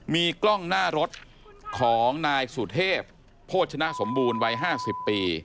มีกล้องหน้ารถของนายสุเทพโภชนะสมบูรณ์วัย๕๐ปี